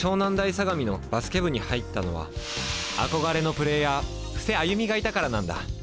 相模のバスケ部に入ったのは憧れのプレーヤー布施歩がいたからなんだ。